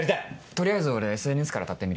取りあえず俺ＳＮＳから当たってみるよ。